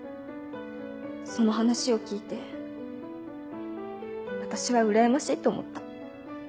その話を聞いて私はうらやましいと思った。